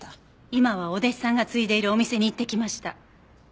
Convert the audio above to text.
今はお弟子さんが継いでいるお店に行ってきました。